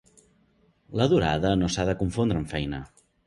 La durada no s'ha de confondre amb feina.